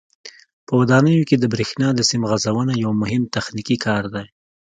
په ودانیو کې د برېښنا د سیم غځونه یو مهم تخنیکي کار دی.